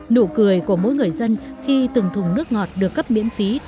nụ cười của mỗi người dân khi từng thùng nước ngọt được cấp miễn phí